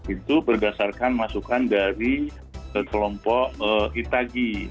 itu berdasarkan masukan dari kelompok itagi